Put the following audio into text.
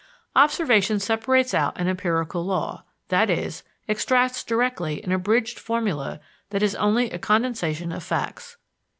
Observation separates out an empirical law; that is, extracts directly an abridged formula that is only a condensation of facts.